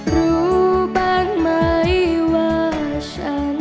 รู้บ้างไหมว่าฉัน